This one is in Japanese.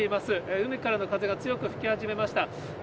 海からの風が強く吹き始めました。